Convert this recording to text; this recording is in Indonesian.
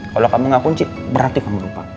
kalau kamu gak kunci berarti kamu lupa